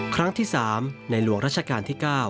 ครั้งที่๓ในหลวงราชการที่๙